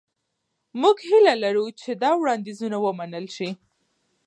موږ هیله لرو چې دا وړاندیزونه ومنل شي.